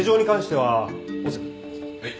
はい。